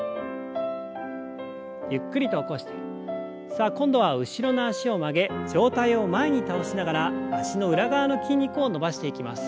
さあ今度は後ろの脚を曲げ上体を前に倒しながら脚の裏側の筋肉を伸ばしていきます。